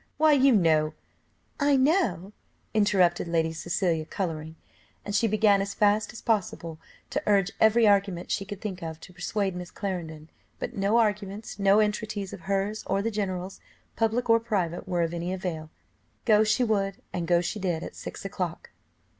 why you know " "I know," interrupted Lady Cecilia, colouring, and she began as fast as possible to urge every argument she could think of to persuade Miss Clarendon; but no arguments, no entreaties of hers or the general's, public or private, were of any avail, go she would, and go she did at six o'clock.